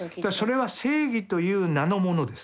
それは正義という名のものです。